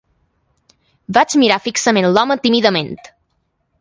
Vaig mirar fixament l'home tímidament.